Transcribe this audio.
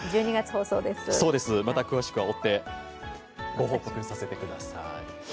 詳しくは追ってご報告させてください。